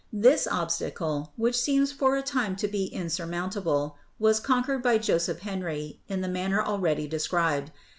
This ob stacle, which seemed for a time to be insurmountable, was conquered by Joseph Henry in the manner already de scribed.